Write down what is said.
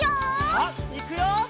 さあいくよ！